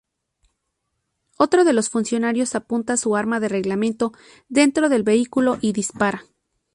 Otro de los funcionarios apunta su arma de reglamento dentro del vehículo y dispara.